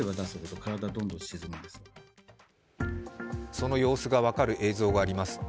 その様子が分かる映像があります。